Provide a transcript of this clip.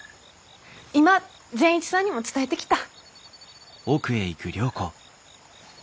今善一さんにも伝えてきた。